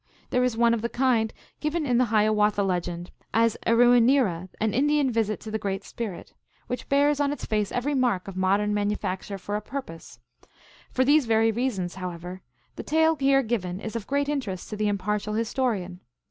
There is one of the kind given in the Hiawatha Legend, as " Eroneniera, an Indian visit to the Great Spirit," which bears on its face every mark of modern manufacture for a purpose. For these very reasons, however, the tale here given is of great interest to the impartial historian.